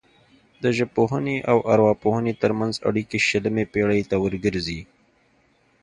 د ژبپوهنې او ارواپوهنې ترمنځ اړیکې شلمې پیړۍ ته ورګرځي